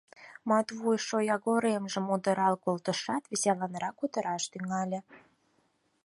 Матвуй шоягоремжым удырал колтышат, веселанрак кутыраш тӱҥале: